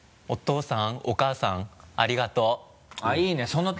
「お父さんお母さんありがとう」あっいいね